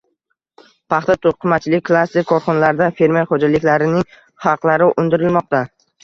Paxta-to‘qimachilik klaster korxonalaridan fermer xo‘jaliklarining haqlari undirilmoqda